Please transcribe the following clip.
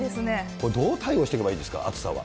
これ、どう対応していけばいいですか、暑さは。